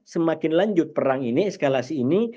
semakin lanjut perang ini eskalasi ini